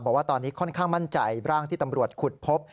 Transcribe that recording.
บอกว่าตอนนี้ค่อนข้างมั่นใจร่างที่ตำรวจขุดพบ